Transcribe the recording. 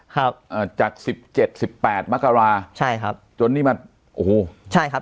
ครับอ่าจากสิบเจ็ดสิบแปดมกราใช่ครับจนนี่มาโอ้โหใช่ครับ